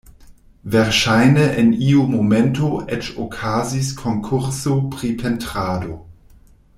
Verŝajne en iu momento eĉ okazis konkurso pri pentrado.